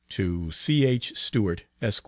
TO C.H. STEWART, ESQ.